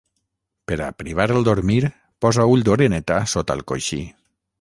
Per a privar el dormir posa ull d'oreneta sota el coixí.